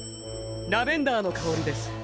ラベンダーの香りです。